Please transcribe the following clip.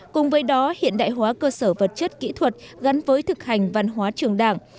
cùng với đó hiện đại hóa cơ sở vật chất kỹ thuật gắn với thực hành văn hóa trường đảng